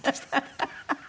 ハハハハ。